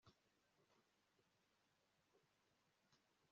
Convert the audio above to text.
uko bakigeraho n'uko bakirinda